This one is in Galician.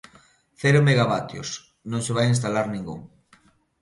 Cero megavatios, non se vai instalar ningún.